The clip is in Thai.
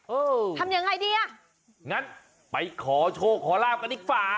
เออทำยังไงดีอ่ะงั้นไปขอโชคขอลาบกันดีกว่า